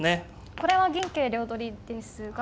これは銀桂両取りですが。